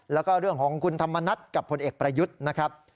แล้วก็เรื่องของคุณธรรมนัฐกับผลเอกประยุทธ์นะครับ